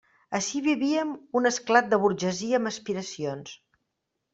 Ací vivíem un esclat de burgesia amb aspiracions.